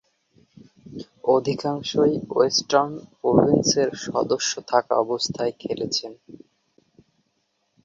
অধিকাংশই ওয়েস্টার্ন প্রভিন্সের সদস্য থাকা অবস্থায় খেলেছেন।